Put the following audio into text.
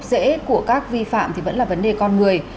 hụt rễ của các vi phạm thì vẫn là vấn đề con người